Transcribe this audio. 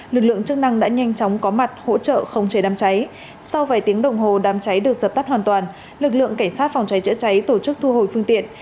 lực lượng chức năng đã nhanh chóng có mặt hỗ trợ không chế đám cháy sau vài tiếng đồng hồ đám cháy được dập tắt hoàn toàn lực lượng cảnh sát phòng cháy chữa cháy tổ chức thu hồi phương tiện